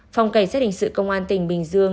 phòng cảnh sát hình sự công an tỉnh bình dương